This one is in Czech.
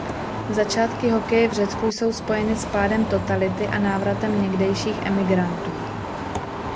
Začátky hokeje v Řecku jsou spojeny s pádem totality a návratem někdejších emigrantů.